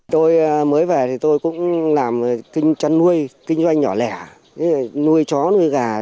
tôi mới về thì tôi cũng làm chăn nuôi kinh doanh nhỏ lẻ nuôi chó nuôi gà